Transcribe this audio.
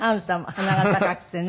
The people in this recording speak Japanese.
鼻が高くてね。